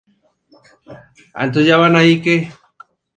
Fue diseñado por Andrea Palladio.